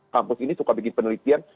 kampus ini suka bikin penelitian